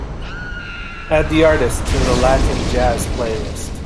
Add the artist to the Latin Jazz playlist.